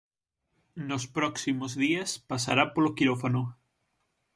Nos próximos días pasará polo quirófano.